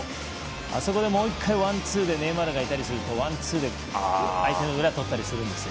あそこでもう１回ワンツーでネイマールがいたりすると相手の裏をとったりするんですよ。